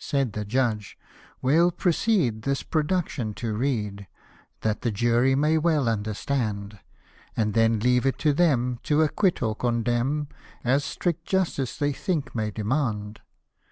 125 Said the judge, " we'll proceed this production to read, That the jury may well understand; And then leave it to them to acquit or condemn, As strict justice they think may demand."